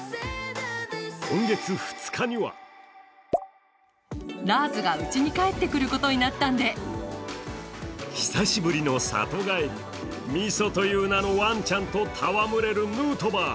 今月２日には久しぶりの里帰りＭｉｓｏという名のワンちゃんとたわむれるヌートバー。